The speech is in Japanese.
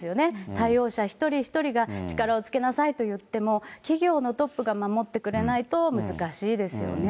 対応者一人一人が力をつけなさいと言っても、企業のトップが守ってくれないと難しいですよね。